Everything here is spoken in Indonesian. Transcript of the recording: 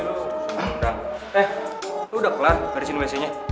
eh lu udah kelar garisin wc nya